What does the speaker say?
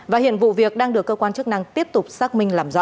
và hiện vụ việc đang được cơ quan chức năng tiếp tục xác minh làm rõ